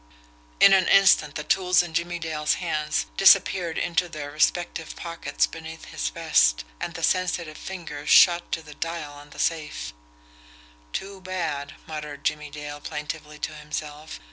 In an instant the tools in Jimmie Dale's hands disappeared into their respective pockets beneath his vest and the sensitive fingers shot to the dial on the safe. "Too bad," muttered Jimmie Dale plaintively to himself.